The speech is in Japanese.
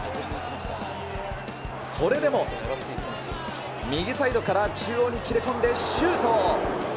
それでも、右サイドから中央に切れ込んで、シュート。